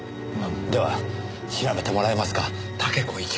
では調べてもらえますか？